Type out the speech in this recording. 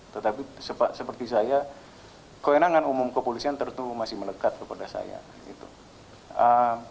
tetapi seperti saya kewenangan umum kepolisian tertentu masih melekat kepada saya